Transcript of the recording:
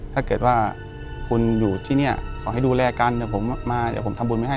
ถ้าเกิดว่าคุณอยู่ที่นี่ขอให้ดูแลกันเดี๋ยวผมมาเดี๋ยวผมทำบุญไว้ให้